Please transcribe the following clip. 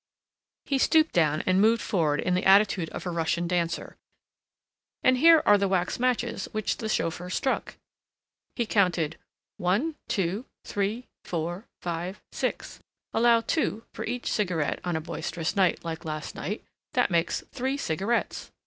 He stooped down and moved forward in the attitude of a Russian dancer, "And here are the wax matches which the chauffeur struck," he counted, "one, two, three, four, five, six, allow three for each cigarette on a boisterous night like last night, that makes three cigarettes.